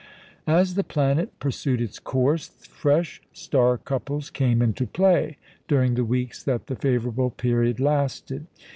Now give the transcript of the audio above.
As the planet pursued its course, fresh star couples came into play, during the weeks that the favourable period lasted.